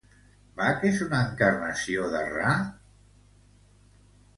Baj és una encarnació de Ra?